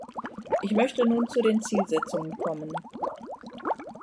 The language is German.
Ich möchte nun zu den Zielsetzungen kommen.